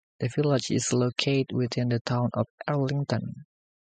The village is located within the Town of Arlington.